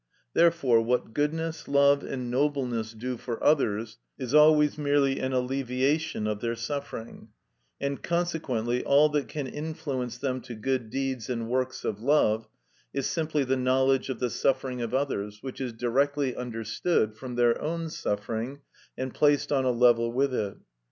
Therefore what goodness, love, and nobleness do for others, is always merely an alleviation of their suffering, and consequently all that can influence them to good deeds and works of love, is simply the knowledge of the suffering of others, which is directly understood from their own suffering and placed on a level with it.